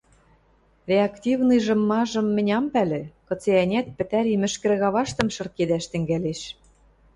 — Реактивныйжым-мажым мӹнь ам пӓлӹ, кыце-ӓнят, пӹтӓри мӹшкӹр каваштым шыркедӓш тӹнгӓлеш